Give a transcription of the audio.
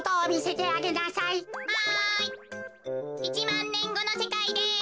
１まんねんごのせかいです。